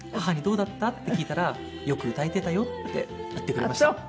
母に「どうだった？」って聞いたら「よく歌えてたよ」って言ってくれました。